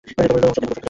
ওষুধ খেতে হবে?